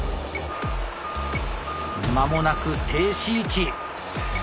間もなく停止位置どうだ？